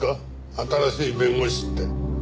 新しい弁護士って。